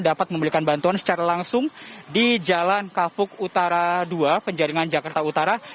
dapat memberikan bantuan secara langsung di jalan kapuk utara dua penjaringan jakarta utara